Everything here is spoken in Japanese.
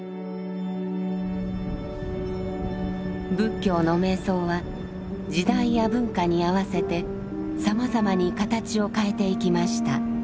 仏教の瞑想は時代や文化に合わせてさまざまに形を変えていきました。